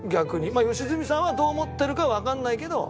まあ良純さんはどう思ってるかわかんないけど。